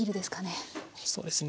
そうですね。